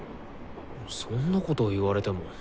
そんなこと言われても。